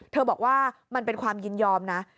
บอกว่ามันเป็นความยินยอมนะ